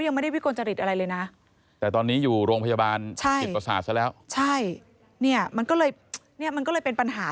หาเสร็จแล้วใช่นี่มันก็เลยเป็นปัญหา